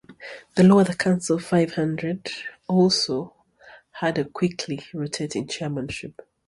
The lower, the Council of Five Hundred, also had a quickly rotating chairmanship.